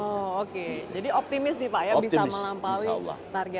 oh oke jadi optimis nih pak ya bisa melampaui target